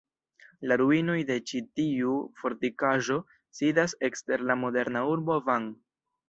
La ruinoj de ĉi tiu fortikaĵo sidas ekster la moderna urbo Van.